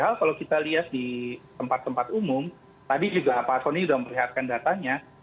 padahal kalau kita lihat di tempat tempat umum tadi juga pak soni sudah memperlihatkan datanya